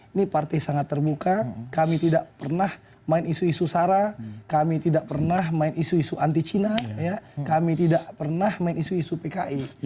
ini partai sangat terbuka kami tidak pernah main isu isu sara kami tidak pernah main isu isu anti cina kami tidak pernah main isu isu pki